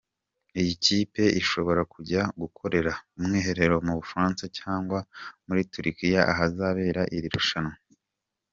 Iyi kipe ishobora kujya gukorera umwiherero mu Bufaransa cyangwa muri Turukiya ahazabera iri rushanwa.